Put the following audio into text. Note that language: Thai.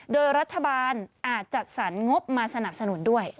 โดยรัฐบาลอาจจัดสรรงบมาสนับสนุนด้วย